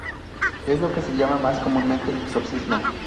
Es lo que se llama más comúnmente exorcismo.